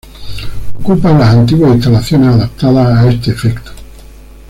Ocupa las antiguas instalaciones adaptadas a este efecto.